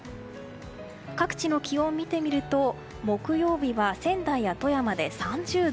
各地の気温を見てみると木曜日は仙台や富山で３０度。